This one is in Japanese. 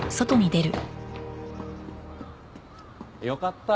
よかった！